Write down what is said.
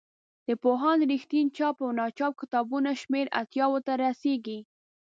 د پوهاند رښتین چاپ او ناچاپ کتابونو شمېر اتیاوو ته رسیږي.